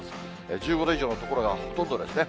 １５度以上の所がほとんどですね。